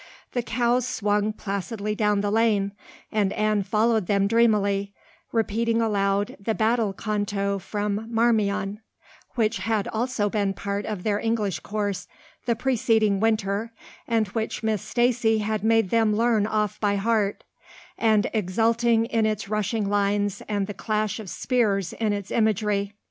The cows swung placidly down the lane, and Anne followed them dreamily, repeating aloud the battle canto from Marmion which had also been part of their English course the preceding winter and which Miss Stacy had made them learn off by heart and exulting in its rushing lines and the clash of spears in its imagery.